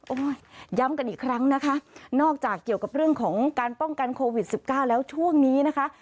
ย้ำกันอีกครั้งนะคะนอกจากเกี่ยวกับเรื่องของการป้องกันโควิด๑๙แล้วช่วงนี้นะคะ